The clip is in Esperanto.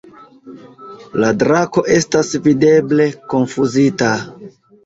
La drako estas videble konfuzita.